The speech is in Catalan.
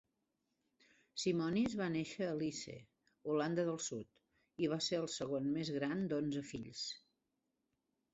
Simonis va néixer a Lisse (Holanda del Sud) i va ser el segon més gran d'onze fills.